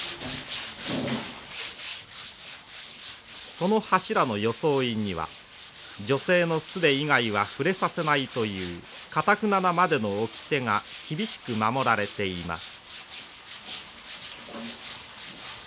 その柱の装いには女性の素手以外は触れさせないというかたくななまでの掟が厳しく守られています。